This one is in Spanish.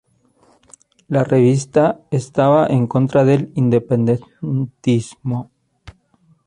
La revista estaba en contra del independentismo.